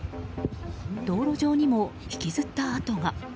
道路上にも引きずった跡が。